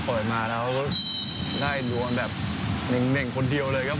มาแล้วได้ดวงแบบเน่งคนเดียวเลยครับ